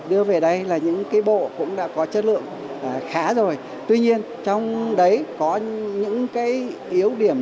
đưa về đây là những cái bộ cũng đã có chất lượng khá rồi tuy nhiên trong đấy có những cái yếu điểm